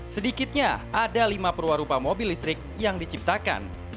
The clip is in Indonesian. sedikitnya ada lima perwarupa mobil listrik yang diciptakan